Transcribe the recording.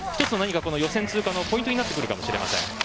１つ、予選通過のポイントになるかもしれません。